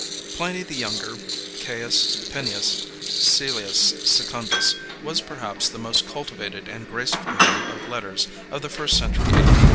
Pliny the Younger Caius Plinius Cæcilius Secundus was perhaps, the most cultivated and graceful man of letters of the first century A.